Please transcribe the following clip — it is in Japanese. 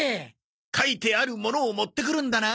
書いてあるものを持ってくるんだな？